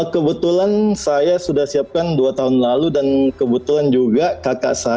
kebetulan saya sudah siapkan dua tahun lalu dan kebetulan juga kakak saya